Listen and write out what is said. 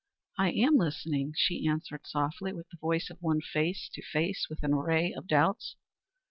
"I am listening," she answered softly with the voice of one face to face with an array of doubts.